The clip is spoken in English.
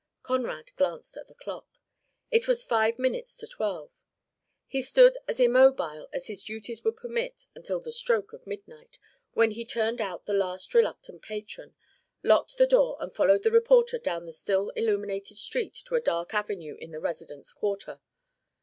Conrad glanced at the clock. It was five minutes to twelve. He stood as immobile as his duties would permit until the stroke of midnight, when he turned out the last reluctant patron, locked the door and followed the reporter down the still illuminated street to a dark avenue in the residence quarter.